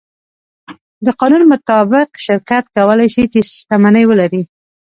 د قانون مطابق شرکت کولی شي، چې شتمنۍ ولري.